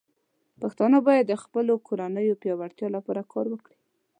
پښتانه بايد د خپلو کورنيو پياوړتیا لپاره کار وکړي.